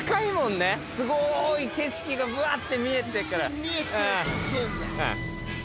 すごい景色がぶわって見えてから。